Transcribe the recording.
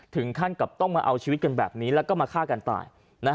ถึงขั้นกับต้องมาเอาชีวิตกันแบบนี้แล้วก็มาฆ่ากันตาย